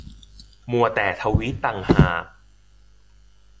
มัวแต่ทวีตต่างหาก